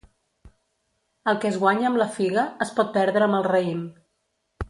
El que es guanya amb la figa, es pot perdre amb el raïm.